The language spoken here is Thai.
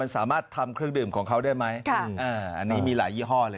สามารถทำเครื่องดื่มของเขาได้ไหมอันนี้มีหลายยี่ห้อเลย